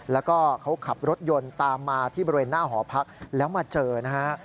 แล้วก็เขาขับรถยนต์ตามมาที่บริเวณหน้าหอพักแล้วมาเจอนะฮะ